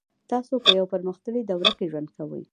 تاسو په یوه پرمختللې دوره کې ژوند کوئ